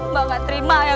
mbak gak terima ya